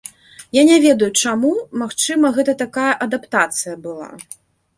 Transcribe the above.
Я не ведаю чаму, магчыма, гэта такая адаптацыя была.